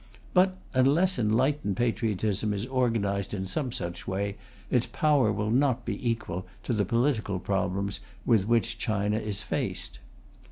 But unless enlightened patriotism is organized in some such way, its power will not be equal to the political problems with which China is faced.